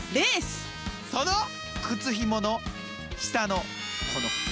その靴ひもの下のここの部分。